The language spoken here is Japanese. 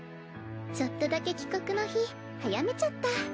ちょっとだけ帰国の日早めちゃった。